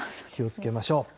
気をつけましょう。